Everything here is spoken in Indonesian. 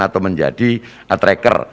atau menjadi tracker